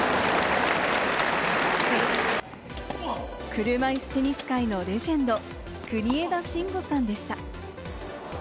車いすテニス界のレジェンド・国枝慎吾さんでした。